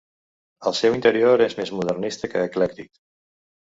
El seu interior és més modernista que eclèctic.